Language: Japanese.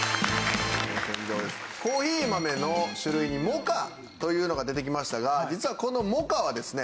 コーヒー豆の種類にモカというのが出てきましたが実はこのモカはですね